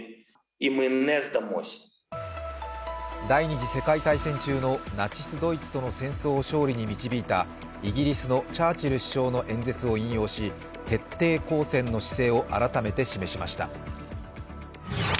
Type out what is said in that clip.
第２次世界大戦中のナチスドイツとの戦争で勝利に導いたイギリスのチャーチル首相の演説を引用し、徹底抗戦の姿勢を改めて示しました。